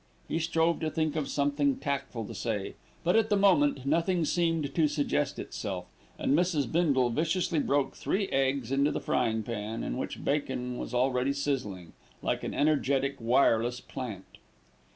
He strove to think of something tactful to say; but at the moment nothing seemed to suggest itself, and Mrs. Bindle viciously broke three eggs into the frying pan in which bacon was already sizzling, like an energetic wireless plant.